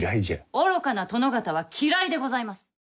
愚かな殿方は嫌いでございます。